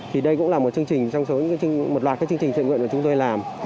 thì đây cũng là một loạt chương trình trận nguyện mà chúng tôi làm